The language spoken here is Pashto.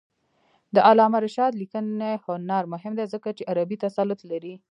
د علامه رشاد لیکنی هنر مهم دی ځکه چې عربي تسلط لري.